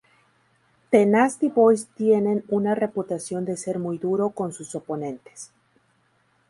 The Nasty Boys tienen una reputación de ser muy duro con sus oponentes.